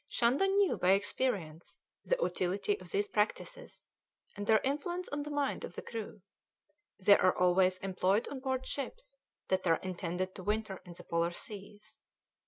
Shandon knew by experience the utility of these practices, and their influence on the mind of the crew; they are always employed on board ships that are intended to winter in the Polar Seas.